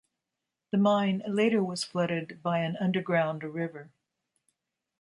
The mine later was flooded by an underground river.